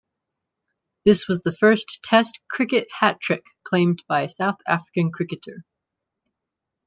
This was the first Test cricket hat-trick claimed by a South African cricketer.